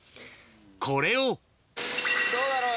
これをどうだろう？